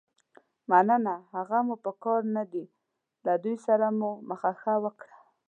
مننه، هغه مو په کار نه دي، له دوی سره مو مخه ښه وکړه.